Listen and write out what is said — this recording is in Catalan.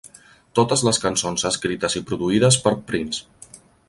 Totes les cançons escrites i produïdes per Prince.